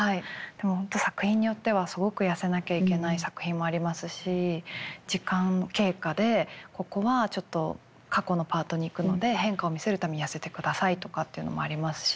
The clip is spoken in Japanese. でも本当に作品によってはすごく痩せなきゃいけない作品もありますし時間経過でここはちょっと過去のパートにいくので変化を見せるために痩せてくださいとかっていうのもありますし。